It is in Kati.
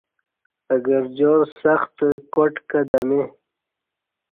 اہ گرجار سخت کاٹ کہ دمی